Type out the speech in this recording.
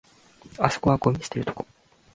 あそこはゴミ捨てるとこ